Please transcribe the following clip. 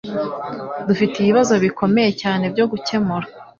Dufite ibibazo bikomeye cyane byo gukemura.